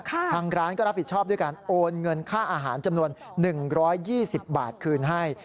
ทางร้านก็รับผิดชอบด้วยการโอนเงินค่าอาหารจำนวน๑๒๐บาทคืนให้